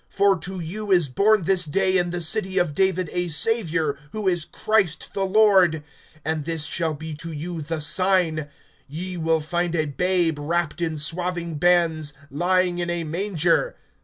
(11)For to you is born this day in the city of David a Savior, who is Christ the Lord. (12)And this shall be to you the sign: Ye will find a babe wrapped in swathing bands, lying in a manger.